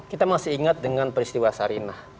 kita masih ingat dengan peristiwa sarinah